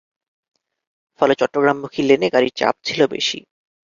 ফলে চট্টগ্রামমুখী লেনে গাড়ির চাপ ছিল বেশি।